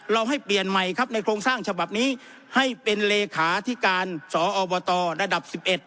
เราให้เปลี่ยนใหม่ในโครงสร้างฉบับนี้ให้เป็นหทสอบตระดับ๑๑